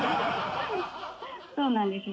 そうなんですよ。